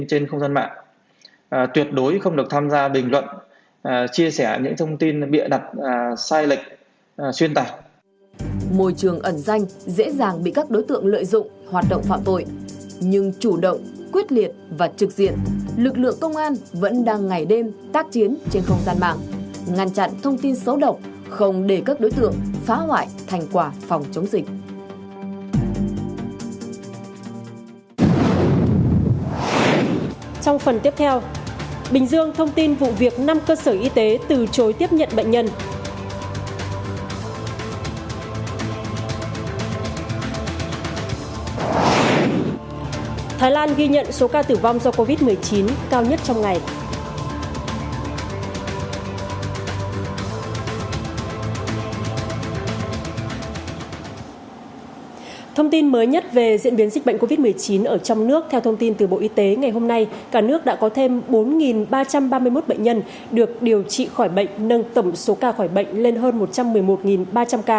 theo thông tin mới nhất về diễn biến dịch bệnh covid một mươi chín ở trong nước theo thông tin từ bộ y tế ngày hôm nay cả nước đã có thêm bốn ba trăm ba mươi một bệnh nhân được điều trị khỏi bệnh nâng tổng số ca khỏi bệnh lên hơn một trăm một mươi một ba trăm linh ca